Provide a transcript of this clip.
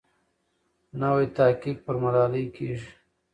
نوی تحقیق پر ملالۍ کېږي.